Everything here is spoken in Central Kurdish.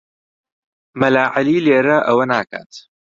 مەلا عەلی لێرە ئەوە ناکات.